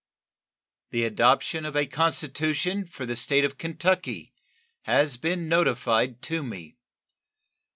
The adoption of a constitution for the State of Kentucky has been notified to me.